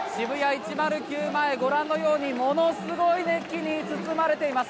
１０９前ご覧のように、ものすごい熱気に包まれています。